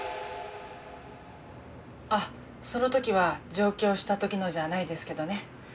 あっその時は上京した時のじゃないですけどね。